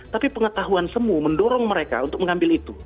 tapi pengetahuan semu mendorong mereka untuk mengambil itu